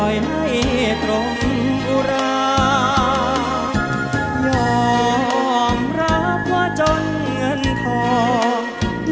ยอมรับว่าจนเงินทอง